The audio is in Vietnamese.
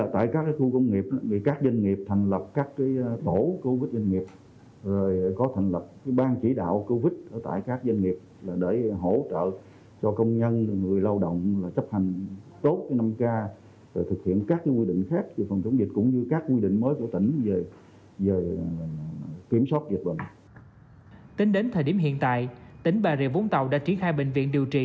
tính đến thời điểm hiện tại tỉnh bà rịa vũng tàu đã triển khai bệnh viện điều trị